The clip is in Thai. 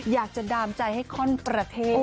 ดามใจให้ข้อนประเทศ